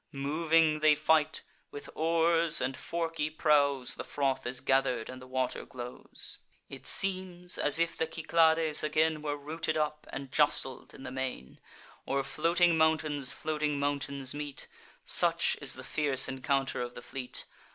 Moving they fight; with oars and forky prows The froth is gather'd, and the water glows. It seems, as if the Cyclades again Were rooted up, and justled in the main; Or floating mountains floating mountains meet; Such is the fierce encounter of the fleet.